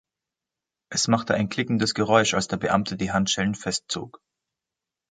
Es machte ein klickendes Geräusch, als der Beamte die Handschellen festzog.